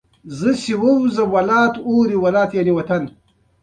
خلک په بانکي سیستم کې د خپلو پیسو ډاډ لري.